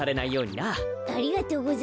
ありがとうございます。